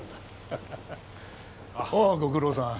ああご苦労さん。